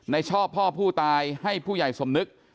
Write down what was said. ชอบพ่อผู้ตายให้ผู้ใหญ่สมนึก